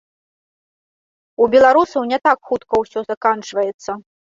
У беларусаў не так хутка ўсё заканчваецца.